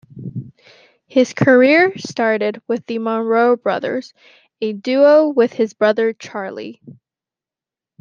His career started with the "Monroe Brothers", a duo with his brother Charlie.